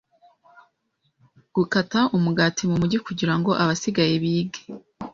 Gukata umugati mu mujyi Kugira ngo abasigaye bige